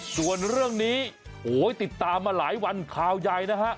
ส่วนเรื่องนี้โหยติดตามมาหลายวันข่าวใหญ่นะฮะ